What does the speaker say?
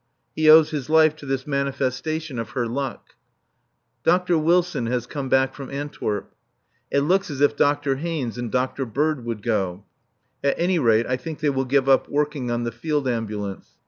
He owes his life to this manifestation of her luck. Dr. Wilson has come back from Antwerp. It looks as if Dr. Haynes and Dr. Bird would go. At any rate, I think they will give up working on the Field Ambulance.